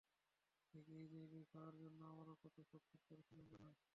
ঠিক এই জায়গায় খাওয়ার জন্য আমরা কত ছটফট করেছিলাম, গাধা!